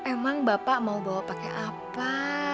emang bapak mau bawa pakai apa